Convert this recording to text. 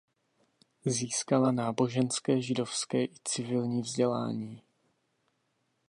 Získala náboženské židovské i civilní vzdělání.